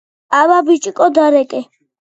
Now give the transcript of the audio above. - აბა, ბიჭიკო, დარეკე!